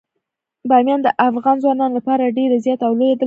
بامیان د افغان ځوانانو لپاره ډیره زیاته او لویه دلچسپي لري.